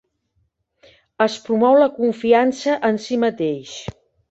Es promou la confiança en si mateix.